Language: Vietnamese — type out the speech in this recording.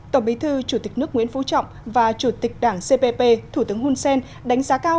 tổng bí thư chủ tịch nước nguyễn phú trọng và chủ tịch đảng cpp thủ tướng hun sen đánh giá cao